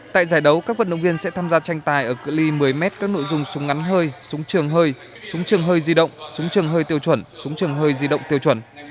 tại giải đấu các vận động viên sẽ tham gia tranh tài ở cửa ly một mươi m các nội dung súng ngắn hơi súng trường hơi súng trường hơi di động súng trường hơi tiêu chuẩn súng trường hơi di động tiêu chuẩn